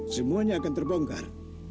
semuanya akan terbongkar